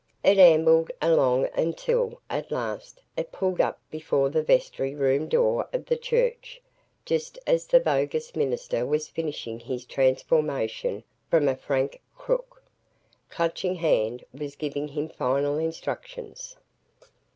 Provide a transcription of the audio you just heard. It ambled along until, at last, it pulled up before the vestry room door of the church, just as the bogus minister was finishing his transformation from a frank crook. Clutching Hand was giving him final instructions.